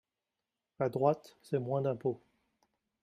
La droite, c’est moins d’impôts.